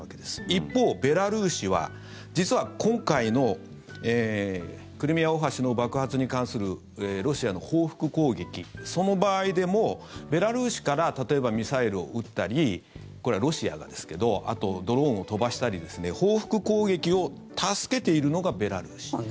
一方、ベラルーシは実は今回のクリミア大橋の爆発に関するロシアの報復攻撃その場合でも、ベラルーシから例えばミサイルを撃ったりこれはロシアがですけどあとはドローンを飛ばしたり報復攻撃を助けているのがベラルーシ。